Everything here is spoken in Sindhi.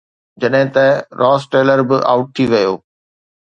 جڏهن ته راس ٽيلر به آئوٽ ٿي ويو.